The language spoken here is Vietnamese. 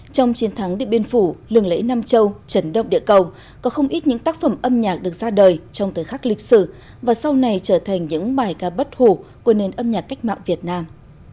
trong chiến thắng điện biên phủ lừng lễ nam châu trần đông địa cầu có không ít những tác phẩm âm nhạc được ra đời trong thời khắc lịch sử và sau này trở thành những bài ca bất hủ của nền âm nhạc cách mạng việt nam